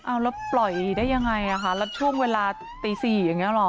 เอาแล้วปล่อยได้ยังไงอ่ะคะแล้วช่วงเวลาตี๔อย่างนี้เหรอ